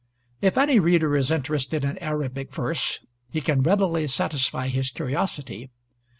If any reader is interested in Arabic verse, he can readily satisfy his curiosity.